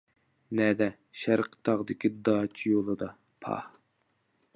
-نەدە؟ -شەرقى تاغدىكى داچا يولىدا، -پاھ!